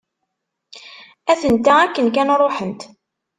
Atent-a akken kan ruḥent.